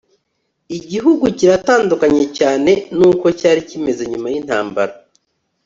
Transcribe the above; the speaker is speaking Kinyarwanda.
igihugu kiratandukanye cyane nuko cyari kimeze nyuma yintambara